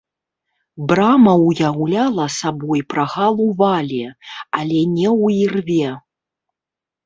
Брама уяўляла сабой прагал у вале, але не ў ірве.